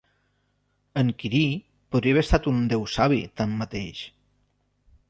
En Quirí podria haver estat un déu sabí, tanmateix.